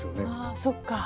ああそっかぁ。